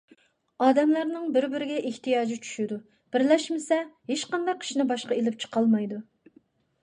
ئادەملەرنىڭ بىر - بىرىگە ئېھتىياجى چۈشىدۇ، بىرلەشمىسە، ھېچقانداق ئىشنى باشقا ئېلىپ چىقالمايدۇ.